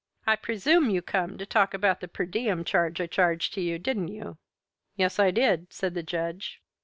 I presume you come to talk about the per diem charge I charged to you, didn't you?" "Yes, I did," said the Judge.